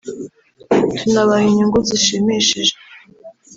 tunabaha inyungu zishimishije